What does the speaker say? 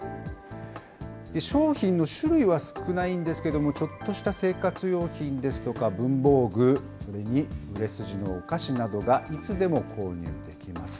商品の種類は少ないんですけれども、ちょっとした生活用品ですとか文房具、それに売れ筋のお菓子などがいつでも購入できます。